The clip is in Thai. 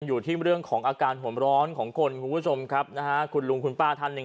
อยู่ที่เรื่องของอาการห่มร้อนของคนคุณผู้ชมครับนะฮะคุณลุงคุณป้าท่านหนึ่ง